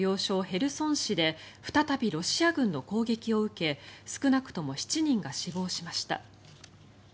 ヘルソン市で再びロシア軍の攻撃を受け少なくとも７人が死亡しました。